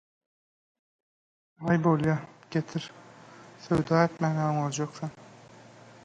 – Aý bolýa getir. Söwda etmän-ä oňarjak sen.